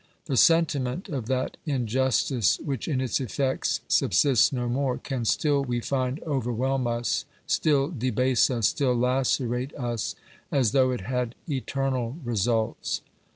The sentiment of that in justice which in its effects subsists no more, can still, we find, overwhelm us, still debase us, still lacerate us, as OBERMANN 123 though it had eternal results.